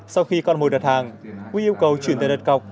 sau khi con mồi đặt hàng we yêu cầu chuyển tên đặt cọc